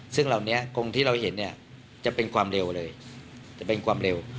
ซึ่งเรานี้คงที่เราเห็นจะเป็นความเร็วเลย